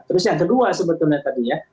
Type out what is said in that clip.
terus yang kedua sebetulnya tadi ya